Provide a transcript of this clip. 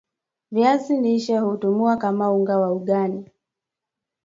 viazi lishe hutumiwa kama unga wa ugali